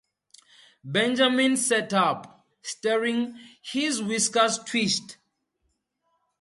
Benjamin sat up, staring; his whiskers twitched.